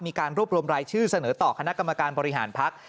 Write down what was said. มีการรวบรวมรายชื่อเสนอต่อคณะกรรมการบริหารพัก